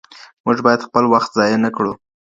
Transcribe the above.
موږ بايد خپل وخت ضايع نه کړو.